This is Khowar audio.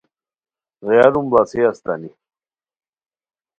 غیاروم بڑاڅھئے استانی